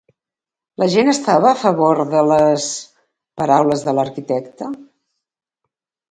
La gent estava a favor de les paraules de l'arquitecte?